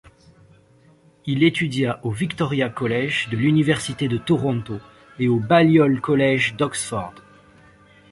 Il étudia au Victoria College de l'université de Toronto et au Balliol College d'Oxford.